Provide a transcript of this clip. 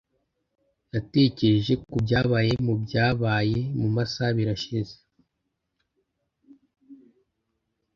Natekereje kubyabaye mubyabaye mumasaha abiri ashize.